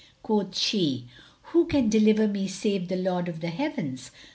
Quoth she, "Who can deliver me save the Lord of the Heavens?